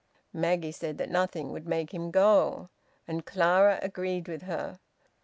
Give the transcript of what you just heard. Maggie said that nothing would make him go, and Clara agreed with her.